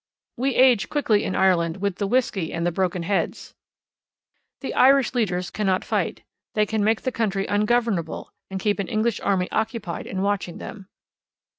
We age quickly in Ireland with the whiskey and the broken heads. The Irish leaders cannot fight. They can make the country ungovernable, and keep an English army occupied in watching them.